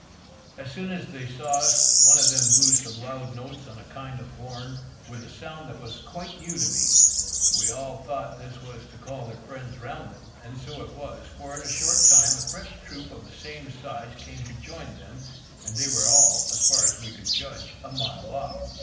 As soon as they saw us, one of them blew some loud notes on a kind of horn, with a sound that was quite new to me. We all thought this was to call their friends round them, and so it was, for in a short time a fresh troop of the same size came to join them; and they were all, as far as we could judge, a mile off.